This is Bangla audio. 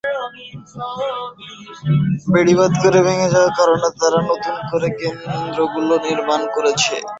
বেড়িবাঁধ ভেঙে যাওয়ার কারণে তাঁরা নতুন করে কেন্দ্রগুলো নির্মাণ করছেন না।